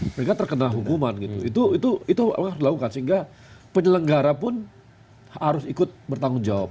mereka terkena hukuman gitu itu harus dilakukan sehingga penyelenggara pun harus ikut bertanggung jawab